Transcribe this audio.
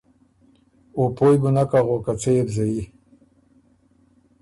او پویٛ بُو نک اغوک که څۀ يې بو زيي۔